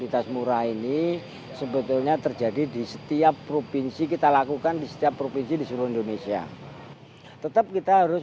terjadi di setiap provinsi kita lakukan di setiap provinsi di seluruh indonesia tetap kita harus